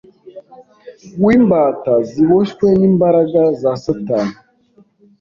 w’imbata ziboshywe n’imbaraga za Satani